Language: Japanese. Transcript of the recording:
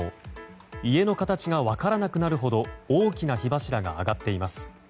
家の形が分からなくなるほど大きな火柱が上がっています。